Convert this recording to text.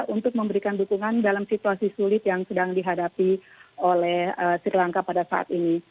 untuk memberikan dukungan dalam situasi sulit yang sedang dihadapi oleh sri lanka pada saat ini